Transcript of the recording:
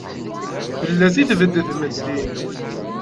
Fell-as i tbed tmetti.